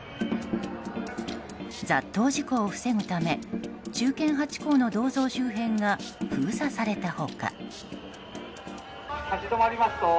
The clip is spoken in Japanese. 雑踏事故を防ぐため忠犬ハチ公の銅像周辺が封鎖された他。